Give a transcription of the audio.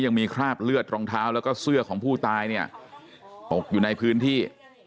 ยังมีคราบเลือดรองเท้าแล้วก็เสื้อของผู้ตายเนี่ยตกอยู่ในพื้นที่